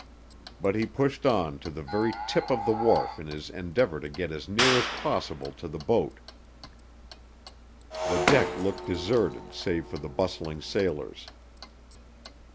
But he pushed on to the very tip of the wharf in his endeavor to get as near as possible to the boat. The deck looked deserted save for the bustling sailors.